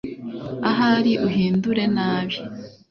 ahari uhindure nabi